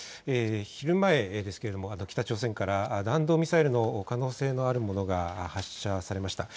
昼前ですが北朝鮮から弾道ミサイルの可能性のあるものが発射されました。